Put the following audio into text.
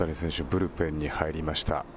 ブルペンに入りました。